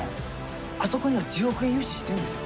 あそこには１０億円融資してるんですよ。